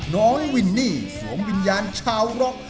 น้องวินนี่สวมวิญญาณชาวร็อก